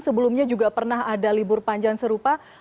sebelumnya juga pernah ada libur panjang serupa